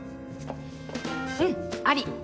うん、あり！